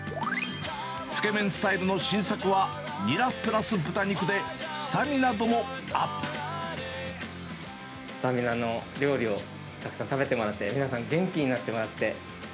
つけ麺スタイルの新作は、ニラプスタミナの料理をたくさん食べてもらって、皆さん、元気になってもらって。